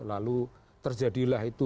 lalu terjadilah itu